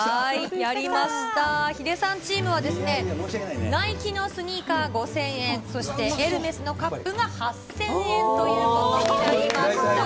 やりました、ヒデさんチームはですね、ナイキのスニーカー５０００円、そしてエルメスのカップが８０００円ということになりました。